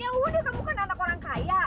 ya udah kamu bukan anak orang kaya